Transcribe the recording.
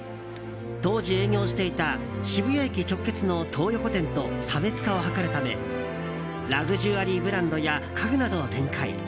当時営業していた渋谷駅直結の東横店と差別化を図るためラグジュアリーブランドや家具などを展開。